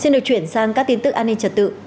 xin được chuyển sang các tin tức an ninh trật tự